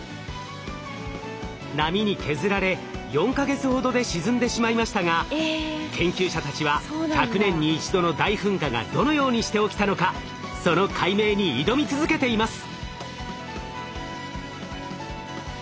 波に削られ４か月ほどで沈んでしまいましたが研究者たちは１００年に一度の大噴火がどのようにして起きたのかその解明に挑み続けています。